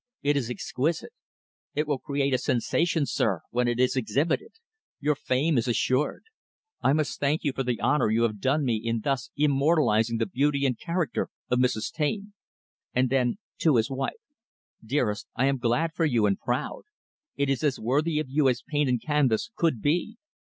It is exquisite. It will create a sensation, sir, when it is exhibited. Your fame is assured. I must thank you for the honor you have done me in thus immortalizing the beauty and character of Mrs. Taine." And then, to his wife, "Dearest, I am glad for you, and proud. It is as worthy of you as paint and canvas could be."